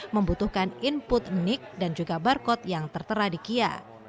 membutuhkan input nick dan juga barcode yang tertera di kia